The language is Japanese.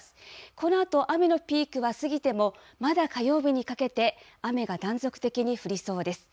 このあと、雨のピークは過ぎても、まだ火曜日にかけて、雨が断続的に降りそうです。